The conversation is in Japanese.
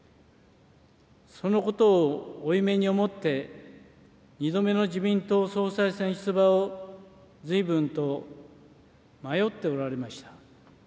そのことを負い目に思って、２度目の自民党総裁選出馬をずいぶんと迷っておられました。